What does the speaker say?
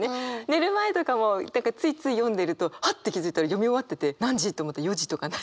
寝る前とかもついつい読んでるとはっ！って気付いたら読み終わってて何時と思ったら４時とかなっちゃってた。